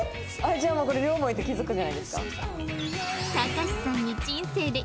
じゃあもうこれ両思いって気づくんじゃないですか？